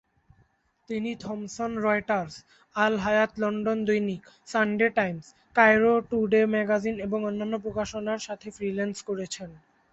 তিনি Thomson Reuters, Al-Hayat London দৈনিক, Sunday Times, Cairo Today magazine এবং অন্যান্য প্রকাশনার সাথে ফ্রিল্যান্স করেছেন।